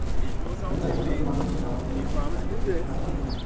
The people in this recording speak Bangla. টার্মিনালে পর্যাপ্ত বাথরুম নেই, নামাজের জায়গা নেই, চারদিকে কাদাপানি জমে থাকে।